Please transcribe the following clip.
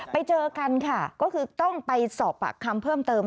ไปเจอกันค่ะก็คือต้องไปสอบปากคำเพิ่มเติม